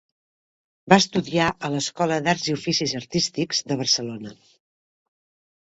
Va estudiar a l'Escola d'Arts i Oficis Artístics de Barcelona.